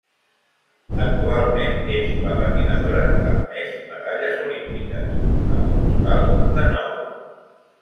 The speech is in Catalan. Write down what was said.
Actualment és la patinadora amb més medalles olímpiques, amb un total de nou.